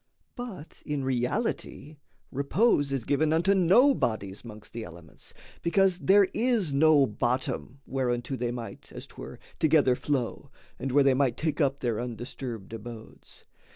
But in reality, repose is given Unto no bodies 'mongst the elements, Because there is no bottom whereunto They might, as 'twere, together flow, and where They might take up their undisturbed abodes.